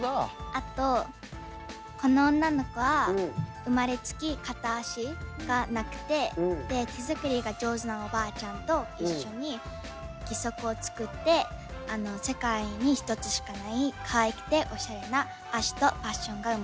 あとこの女の子は生まれつき片足がなくて手作りが上手なおばあちゃんと一緒に義足を作って世界に１つしかないかわいくておしゃれな足とパッションが生まれます。